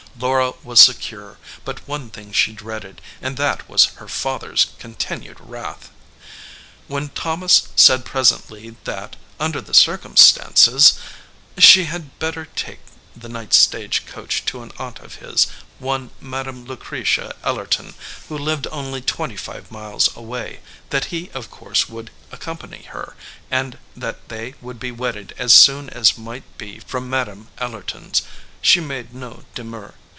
Laura was secure; but one thing she dreaded, and that was her father s continued wrath. When Thomas said presently that, under the circum stances, ... she had better take the night stage coach to an aunt of his, one Madam Lucretia Eller ton who lived only twenty five miles away, that he of course would accompany her, and that they would be wedded as soon as might be from Madam Ellerton s, she made no demur.